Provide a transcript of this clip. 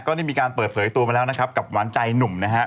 ได้มีการเปิดเผยตัวมาแล้วนะครับกับหวานใจหนุ่มนะฮะ